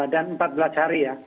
dan empat belas hari ya